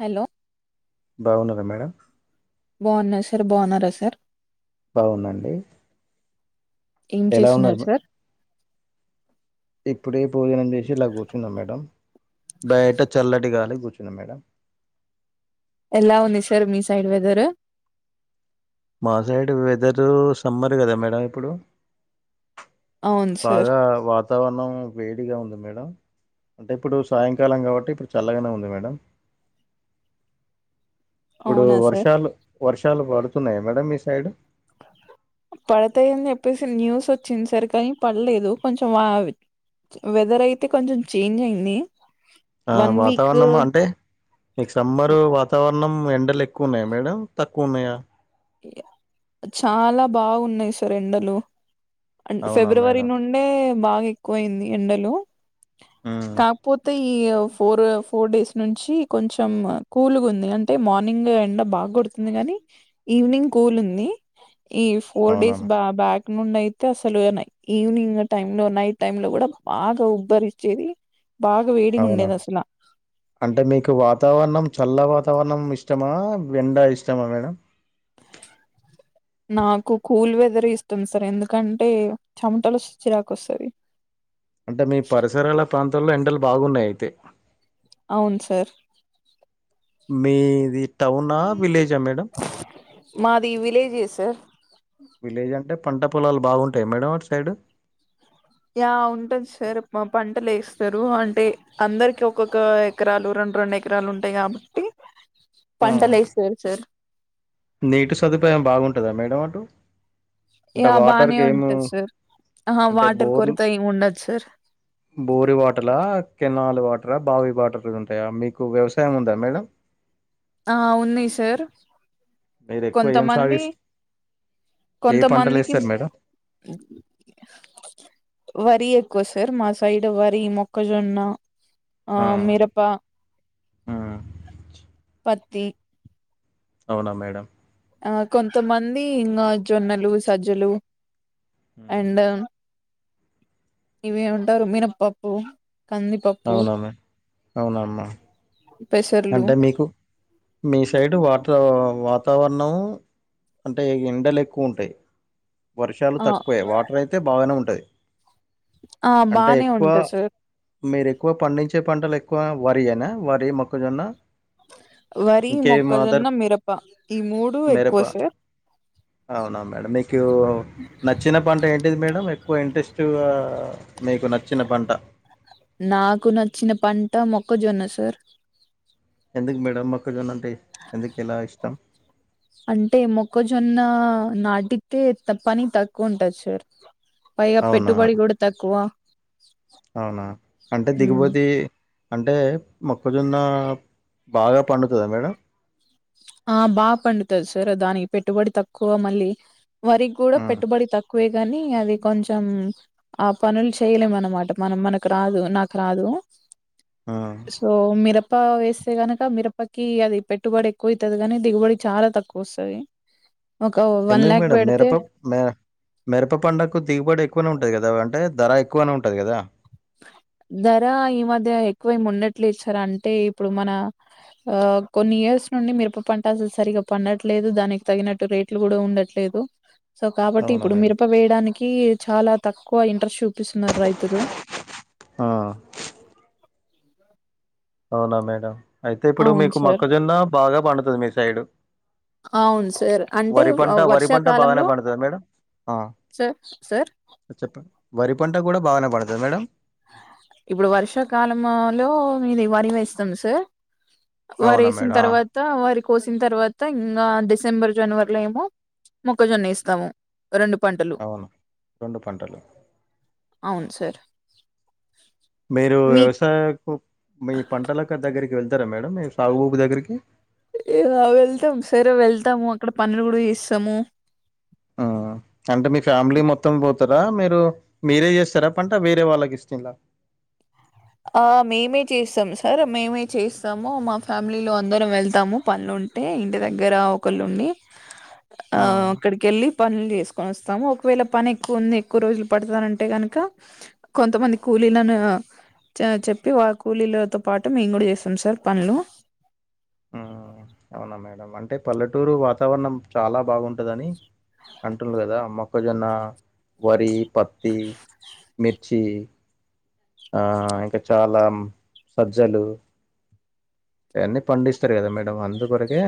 Hello బాగున్నారా madam బాగున్నా sir బాగున్నార సార్ బాగున్న అండి ఏం చేస్తున్నారు సార్ [unintelligible] ఇలా కూర్చున్నా మేడం బయట చల్లటి గాలి కూ మేడం ఎలా ఉంది సార్ మీ సైడ్ వెదరు మా సైడ్ వెదరు సమ్మర్ కదా మేడం ఇప్పుడు అవును బాగ సార్ వాతావరణం వేడిగా ఉంది మేడం అంటే ఇప్పుడు సాయంకాలం కాబట్టి ఇప్పుడు చల్లగానే ఉంది మేడం ఇప్పుడు అవునా సార్ వర్షాలు వర్షాలు పడుతున్నాయ మేడమ్ మీ సైడ్ పడతాయని చెప్పేసి న్యూస్ వచ్చినంది సార్ కానీ పడలేదు కొంచెం వెదర్ అయితే కొంచెం చేంజ్ అయింది ఆ వన్ వీక్ వాతావరణం అంటే మీకు సమ్మరు వాతావర నమ్ ఎన్ ఎక్కువ ఉన్నాయి మేడం తక్ కున్నయ చాలా బాగున్నాయి సార్ ఎండలు అవునా ఫిబ్రవరి మేడం నుండే బాగ ఎక్కువయింది ఎండలు ఉమ్, కాపోతే ఈ ఫోర్ ఫోర్ డేస్ నుంచి కొంచెం కూల్గ ఉంది అంటే మార్నింగ్ ఎండ బాగా కొడుతుంది కాగాని ఈవినింగ్ కూల్ ఉంది ఇ ఫోర్ అవునా డేస్ మేడం? బా బ్యాక్ [unintelligible] అయితే అసలు ఈవినింగ్ టైమ్ లో నైట్ టైమ్ లో కూడ బాగా ఉబ్బరి ఇచ్చేది అవున అంటే మీకు వాతావరణం చల్లగ సవర్ణం ఇష్టమా, వెండ ఇష్టమా మేడం నాకు కూల్ వెదర్ ఇస్తుంది సార్ ఎందుకంటే చెమటలు చిరాక్ వస్తది. అంటే మీ పరిసరాల పాం త లో ఎండలు బాగున్నాయి అయితే అవును సార్ మీది టౌనా, విలే జ మేడం మాది విలేజియ్ సార్ విలేజ్ అంటే పంట పొలాలు బాగుంటాయి మేడం అటు సైడు య ఉంటుంది సార్ పంటలు వేస్తారు. అంటే అందరికి ఒక్కొక్క ఎకరాలు, రెండు రెండు ఎకరాలు ఉంటాయి కాబట్టి. ఆ! పంటలేై సర్ సార్ నీటి సదుపాయం బాగుంటందా మేడం అటు అంటే యా బానే వాటర్కి ఏమో ఉంటది సార్ ఆహా అంటే వాటర్ బోర్లు, కొరత ఏమి ఉండదు సార్ బోరు వాటర్ల కినాల వాట్ ట్ర బావి వాటర్ంటాయా మీకు వ్యవసాయం ఉందా మేడం. ఆ ఉన్నాయి సార్ మీరు ఎక్కువ ఏం కొంతమంది సాగిస్ ఏ కొంతమందికి పంటలేస్తారు మేడం? వరి ఎక్కువ సార్. మా సైడ్ వరి, మొక్కజొన్న ఆ మిరప ఆ పత్తి అవునా మేడం ఆ కొంతమంది ఇంగా జొన్నలు, సజ్జలు హ్మ్. అండున్ ఇవే అంటారు మీనప్పప్పు అవునమ్మె అవునమ్మా పెసర్లు అంటే మీకు మీ సైడ్ వాటర్ వాతావరణం అంటే ఎండలు ఎక్కువ ఉంటాయ్. వర్షాలు ఆ తక్కువే. వాటర్ అయితే బాగానే ఉంటాయి. ఆ అంటే బానే ఎక్కువ ఉంటాయి సార్ మీరు ఎక్కువ పండించే పంటలు ఎ క్కువ వరి అని వరి మొ కజన్న వరి, మొక్కజొన్న, మిరప ఈ మూడు మిరప ఎక్కువ సేర్ అవునా మేడం మీకు నచ్చిన పంట ఏంటిది మేడం? వెక్కువ ఇంట్రెస్ట్గా నాకు నచ్చిన పంట మొక్కజొనసార్ ఎందుకు మేడంమ్ మక్కళ జంత అంటే ఎందుకు ఎలా ఇష్టం అంటే మొక్కజొన్న నాటితే పని తక్కువ ఉంటంది సార్ పైగా అవునా పెట్టుబడి కూడాడు తక్కువ అవునా అంటే ఉమ్. దిగపోతే అంటే మొక్కజున్న బాగా పండుతుందా మేడం ఆ బాగా పండుతుంది సార్ దాని పెట్టుబడి తక్కువ మళ్ళీ వరి కూడా ఆ పెట్టుబడి తక్కువ తక్కువే కాగాని అది కొంచెం ఆ పనులు చేయలేము అనమాట మనం మనకు రాదు నాకు రాదు ఆ సో మేర ప్ప వేస్తే గనక మిరపకి అది పెట్టుబడి ఎ ఎక్కువవుతుంది కానీ దిగుబడి చాలా తక్కువ వస్తుంది ఎందుకు మేడం మిరప మ మిరప పడుగకు దిగుబడి ఎక్కువనే ఉంటది కదా అంటే అంటే ధర ఎక్కువనే ఉంటుంది కదా ధర ఈ మధ్య ఎక్కువే ఉండట్లేదు సార్ అంటే ఇప్పుడు మన ఆ కొన్ని ఇయర్స్ నుండి మిరప పంట అసలు సరిగా పండట్లేదు దానికి తగినట్టు రేట్లు కూడా ఉండట్లేదు సో కాబట్టి అవునా ఇప్పుడు మేడం మిరప వేయడానికి చాలా తక్కువ ఇంటర్షూ కపిస్తున్నారు రైతురు ఆ అవునా మేడం అయితే ఇప్పుడు అవును మీకు సార్ మొక్కజొన్న బాగా పండుతుంది మీ సైడు అవును సార్ అంటే వరి వ పంట వరి పంట బాగానే వర్షాకాలంలో పండుతుంది మేడం సార్ సార్ చెప్పండి వరి పంట కూడా బాగానే పడుతుంది మేడం ఇప్పుడు వర్షాకాల లో మీది ఇవారవ ఇస్తాం సార్ వారు అవునా వేసిన మేడం ఆ తర్వాత వారి కోసిన తర్వాత ఇంకా డిసెంబర్ జనవరిలో ఏమో మొక్కజొన్న ఇేస్తాము అవును రెండు పంటలు అవును సార్ మీరు మీ వ్యవసాయకు మీ పంటలక్క దగ్గరికి వెళ్తారా మేడం మీ సాగుబాబు దగ్గరికి ఇలా వెళ్తాం సరే వెళ్తాము అక్కడ పనులు కూడా ఇస్తాము అంటే మీ ఫ్యామిలీ మొత్తం పోతారా మీరు మీరే చేస్తారా పంట వేరే వాళ్ళకి ఇస్తులా ఆ మేమే చేస్తాం సార్ మేమే చేస్తాము మా ఫ్యామిలీలో అందరం వెళ్తాము పనులుంటే ఇంటి దగ్గర ఒకళుండి ఆ అక్కడికి వెళ్ళి పనులు చేసుకొని వస్తాము ఒకవేళ పని ఎక్కువ ఉంది ఎక్కువ రోజులు పడతనంటే కనుక కొంతమంది కూలీలను చెప్పి వా కూలీలతో పాటు మేము కూడా చేస్తాం సార్ పనులు ఆ అవునా మేడం అంటే పల్లెటూరు వాతావరణం చాలా బాగుంటదని అంటున్నారు కదా మొక్కజొన్న వరి పత్తి మీ ర్చి ఇంకా చాలా సజ్జలు అవన్నీ పండిస్తారు కదా మేడం అందుకోర కె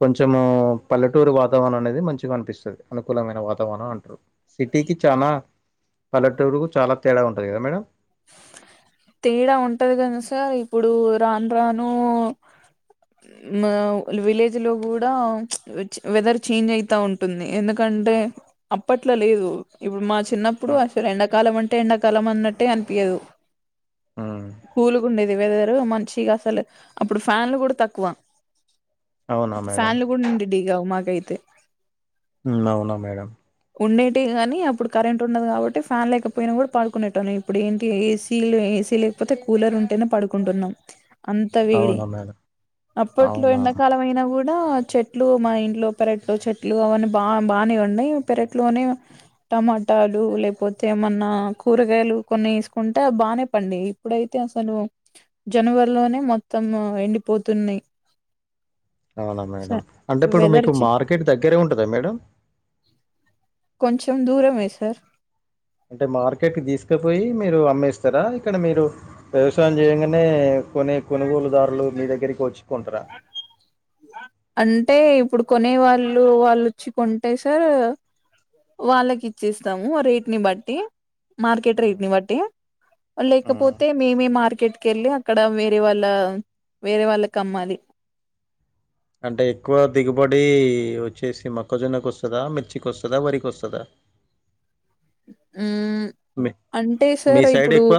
కొంచెము పల్లెటూరు వాతావరణం అనేది మంచిగా అనిపిస్తుంది అనుకూలమైన వాతావరణం అంటారు సిటీకి చాలా పల్లెటూరుకు చాలా తేడా ఉంటుంది కదా మేడం తేడా ఉంటది కను సార్ ఇప్పుడు రాను రాను విలేజ్ లో కూడా వెదర్ చేంజ్ అయితా ఉంటుంది ఎందుకంటే అప్పట్లో లేదు ఇప్పుడు మా చిన్నప్పుడు ఆ! అసలు ఎండాకాలం అంటే ఎండకాలం అన్నట్టే అ నిపియాదు హ్మ్. కులుగుండేది వేదర్ మంచిగా అసలు అప్పుడు ఫ్యాన్లు కూడా తక్కువ అవునా మేడం ఫ్యాన్లు కూడా నుండిడ్టీవి కాదు మకై అవునా మేడం ఉండేటవి గానీ అప్పుడు కరెంట్ ఉండదు కాబట్టి ఫ్యాన్ లేకపోయినా కూడా పడుకునేట్టున్నాం ఇప్పుడు ఏంటి ఏసీ ఏసీ లేకపోతే కూలర్ ఉంటేనే పడుకుంటున్నాం అంత వేడి అవునా మేడం అప్పట్లో అవునా ఎండాకాలం అయిన కూ చెట్లు మా ఇంట్లో పెరట్లో చెట్లు అవన్నీ బా బానే ఉన్నాయి పెరట్లోనే టమాటాలు లేకపోతే ఏమన్నా కూరగాయలు కొన్ని వేసుకుంటే బానే పండి ఇప్పుడైతే అసలు జనవరిలోనే మొత్తం ఎండిపోతున్నాయి అవునా స మేడం అంటే ఇప్పుడు వెదర్ మీకు చే మార్కెట్ దగ్గరే ఉంటదా మేడం కొంచెం దూరమే సార్ అంటే మార్కెట్కి తీసుకపోయి మీరు అమ్మేస్తారా ఇక్కడ మీరు వ్యవసాయం చేయగానే కొనే కొనుగోలుదారులు మీ దగ్గరికి వచ్చు కుంట్రా అంటే ఇప్పుడు కొనే వాళ్ళు వాళ్ళు వచ్చి కొంటే సార్ వాళ్ళకి ఇచ్చేస్తాము రేట్ని బట్టి మార్కెట్ రేట్ హ్మ్. ని బట్టి హ్మ్. లేకపోతే మేమే మార్కెట్ కెళ్ళి అక్కడ వేరే వాళ్ళ వేరే వాళ్ళకి అమ్మాలి అంటే ఎక్కువ దిగుబడి వచ్చేసి మొక్కజొన్నకు వస్తదా మిర్చికి వస్తదా వరికి వస్తదా హ్మ్ మీ మీ సైడ్ ఎక్కువ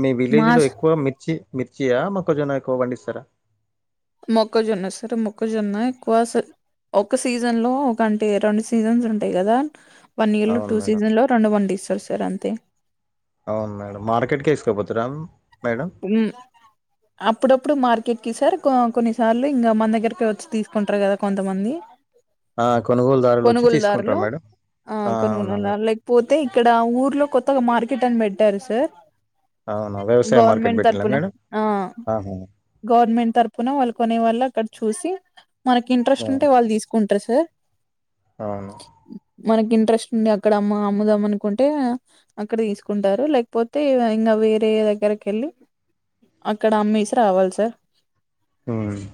మీ మా విలేజ్ లో ఎక్కువ మిర్చి మిర్చియా మొక్కజొన్న ఎక్కువ పండిస్త స్తారా మొక్కజొన్న సార్ మొక్కజొన్న ఎక్కువ ఒక సీజన్ లో ఒకంటే రెండు సీజన్స్ ఉంటాయి కదా వన్ ఇయర్ లో అవును టూ మేడం. సీజన్ లో రెండు పండిస్తారు సార్ అంత అవును మేడం మార్కెట్కి వేసుకోకపోతారా హ్మ్ అప్పుడప్పుడు మార్ ఎక్కి సార్ కొన్నిసార్లు ఇంగా మన దగ్గరకేవోచ్చి తీసుకుంటారు కదా కొంతమంది ఆ! కొనుగోలుదారులొచ్చి తీసుకుంటారా కొనుగోలుదారులు మేడం? ఆ అవునా మేడం. కొనుగోలుదారు లేకపోతే ఇక్కడ ఊర్లో కొత్తగా మార్ కేట్ అని పెట్టారు సార్ అవునా వేస్ గవర్నమెంట్ తరపున ఆ గవర్నమెంట్ తరపున వాళ్ళు కొనే వాళ్ళు అక్కడ చూ సి మనక్ అవును ఇంట్రస్ట్ ఉంటే వాళ్ళ తీసుకుంటారు ట్రెసు అవును మనకి ఇంట్రెస్ట్ ఉండి అక్కడ అమ్మ అమ్ముదమ్ అనుకుంటే అక్కడ తీసుకుంటారు లేకపోతే ఇంగా వేరే దగ్గరకేళ్ళి అక్కడ అమ్మేసి రావాలి సార్ ఆహ్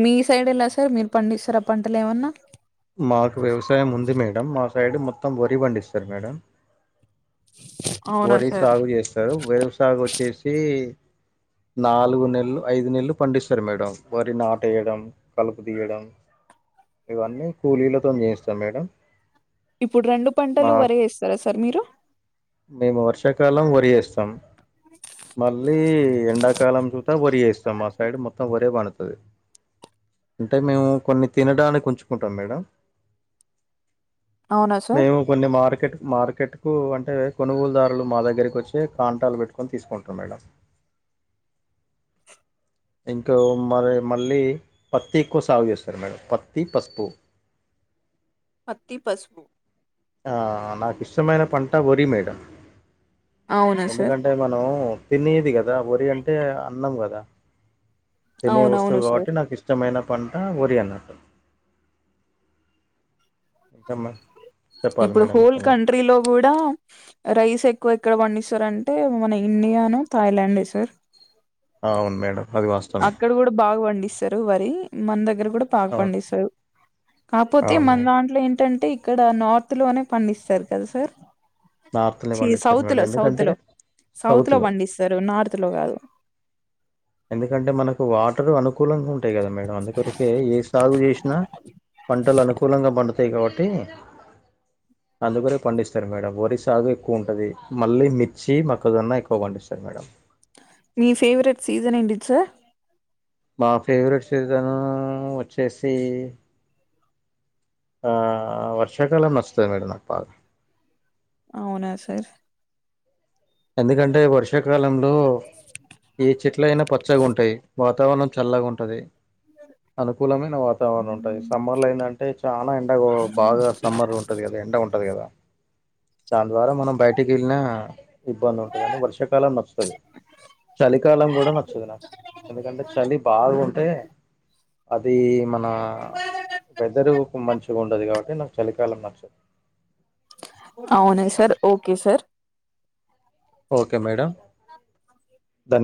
మీ సైడ్ ఎలా సార్ మీరు పండిస్తారా పంటలు ఏమన్నా మాకు వ్యవసాయం ఉంది మేడం మా సైడ్ మొ త్తం వరి వండిస్తారు మేడం అవునా వరి సార్ సాగు చేస్తారు వరి సాగు వచ్చేసి నాలుగు నెల్లు ఐదు నెల్లూ పండిస్తారు మేడం వరి నాటు వేయడం కలుపు తీయడం ఇవన్నీ కూలీలతో చేయిస్తాం మేడం ఇప్పుడు రెండు మా పంటలు వరి ఏస్తారా సార్ మీరు మేము వర్షాకాలం వరి వేస్తాం మళ్ళీ ఎండాకాలం చూత వరి వేస్తాం మా సైడ్ మొత్తం వరె పండుతద్ హ్ అంటే మేము కొన్ని తినడానికి ఉంచుకుంటాం మేడం అవునా సార్ మేము కొన్ని మార్కెటు మార్కెట్ కు అంటే కొనుగోలుదారులు మా దగ్గరికి వచ్చే కన్టాలూ పెట్టుకొని తీసుకుంటరూ మేడం ఇంకో మరి మళ్ళీ పత్తి ఎక్కువ సాగు చేస్తారు మేడం పత్తి పసుపు పత్తి పసుపు నాకు ఇష్టమైన పంట వరి మేడం అవునా సార్ ఎందుకంటే మనం తినేది కదా వరి అంటే అన్నం కదా తినే అవునవును వస్తువు కాబట్టి సార్ నాకు ఇష్టమైన పంటా వరి అన్నట్టు ఇంకా మా ఇప్పుడు హోల్ కంట్రీ లో కూడా రైస్ ఎక్కువ ఏక్కడ వండిస్తారు అంటే మన ఇండియాను థాయిలాండే సార్ అవున్ మేడం అది వాస్తవమే అక్కడ కూడా బాగా పండిస్తారు వరి మన దగ్గర కు కూడా బాగా అవును పండిస్తారు కాకపోతే అవును మన మేడం దాంట్లో ఏంటంటే ఇ ఇక్కడ నార్త్ లోనే పండిస్తారు కదా సార్ నార్త్ని చీ పండిస్తారు సౌత్ మేడం లో సౌత్ ఎందుకంటే లో సౌత్ లో పండిస్తారు నార్త్ లో కాదు ఎందుకంటే మనకు వాటర్ అనుకో కూలంగా ఉంటాయి కదా మేడం అందుకొరకే ఏ సాగు చేసినా పంటలు అనుకూలంగా పండుతాయి త్తయి కాబట్టి అందుకరే పండిస్తారు మేడం వరి సాగు ఎక్కువ ఉంటది మళ్ళీ మిర్చి మొక్క జొన్న ఎక్కువ పండిస్తారు మేడం నీ ఫేవరెట్ సీజన్ ఏంటిది సార్ మా ఫేవరెట్ సీజన్ వచ్చేసి వర్షాకాలం ఆ నచ్చుతాది మేడం నాకు బాగా అవునా సార్ ఎందుకంటే వర్షాకాలంలో ఏ చెట్ల అయినా పచ్చగా ఉంటాయి వాతావరణం చల్లగా ఉంటది అనుకూలమైన వాతావరణం ఉంటది సమ్మర్లో ఏందంటే చాలా ఎండ బాగా సమ్మర్ ఉంటది కదా ఎండ ఉంటది కదా దాని ద్వారా మనం బయటకి వెళ్ళిన ఇబ్బంది ఉంటదని వర్షాకాలం నచ్చుతాది చలికాలం కూడా నచ్చదు నాకు ఎందుకంటే చలి బాగుంటే అది మన వెదరు కు మంచిగా ఉండదు కాబట్టి నాకు చలికాలం నచ్చదు అవునా sir okay sir okay madam Dhan